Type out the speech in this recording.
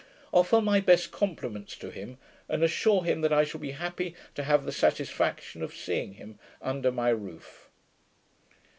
Offer my best compliments to him, and assure him that I shall be happy to have the satisfaction of seeing him under my roof.